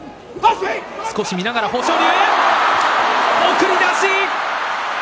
送り出し。